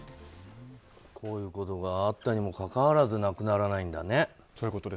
こういうことがあったにもかかわらずなくならないんだね。